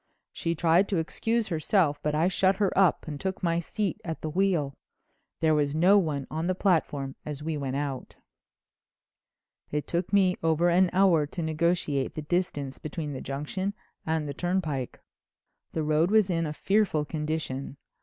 She tried to excuse herself but I shut her up and took my seat at the wheel. There was no one on the platform as we went out. "It took me over an hour to negotiate the distance between the Junction and the turnpike. The road was in a fearful condition.